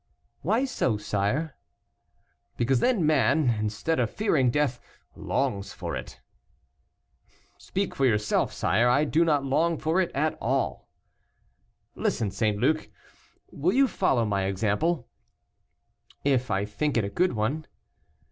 "Why so, sire?" "Because then man, instead of fearing death, longs for it." "Speak for yourself, sire, I do not long for it at all." "Listen, St. Luc, will you follow my example?" "If I think it a good one."